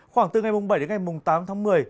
khoảng từ ngày bảy tám tháng một mươi